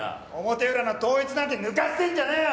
表裏の統一なんて抜かしてんじゃねえよ！